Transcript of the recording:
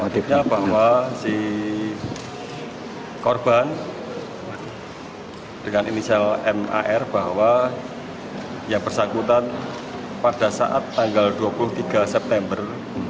maksudnya bahwa si korban dengan inisial mar bahwa yang bersangkutan pada saat tanggal dua puluh tiga september dua ribu dua puluh tiga